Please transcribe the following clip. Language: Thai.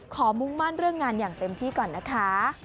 มุ่งมั่นเรื่องงานอย่างเต็มที่ก่อนนะคะ